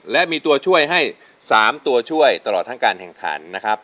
และมีตัวช่วยให้๓ตัวช่วยตลอดทั้งการแข่งขันนะครับ